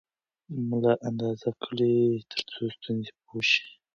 ملا اندازه کړئ ترڅو ستونزه پوه شئ.